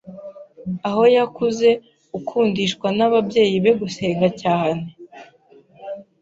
aho yakuze ukundishwa n’ababyeyi be gusenga cyane